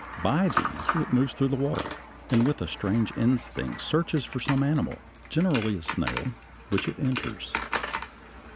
By these it moves through the water, and with strange instinct searches for some animal, generally a snail, which it enters.